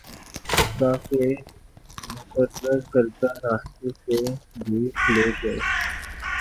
خدا کے مقرر کردہ راستے سے دور لے جائے